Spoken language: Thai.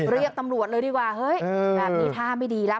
เรียกตำรวจเลยดีกว่าเฮ้ยแบบนี้ท่าไม่ดีแล้ว